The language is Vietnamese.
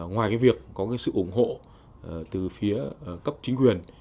ngoài việc có sự ủng hộ từ phía cấp chính quyền